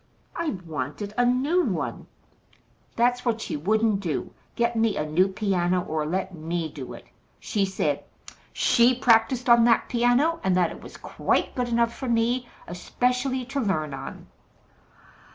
I wanted a new one. That's what she wouldn't do get me a new piano, or let me do it. She said SHE practised on that piano, and that it was quite good enough for me, especially to learn on.